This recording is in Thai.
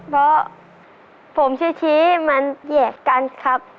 เพราะผมชื่อชี้มันแยกกันครับ